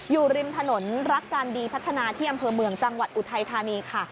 อยู่ริมถนนรักการดีพัฒนาที่อำเภอเมืองจังหวัดอุทัยธานีค่ะ